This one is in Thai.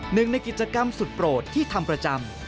หนึ่งในกิจกรรมสุดโปรดที่ทำประจำ